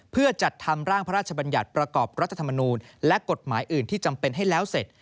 เพื่อจัดทำร่างพระราชบัญญัติประกอบรัฐธรรมนูลและกฎหมายอื่นที่จำเป็นให้แล้วเสร็จ